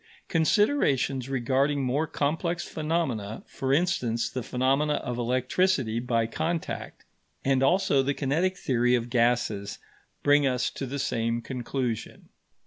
Considerations regarding more complex phenomena, for instance the phenomena of electricity by contact, and also the kinetic theory of gases, bring us to the same conclusion.